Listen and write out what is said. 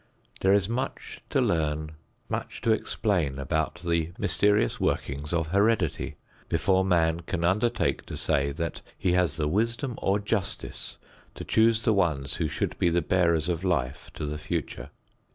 There is much to learn, much to explain about the mysterious workings of heredity, before man can undertake to say that he has the wisdom or justice to choose the ones who should be the bearers of life to the future.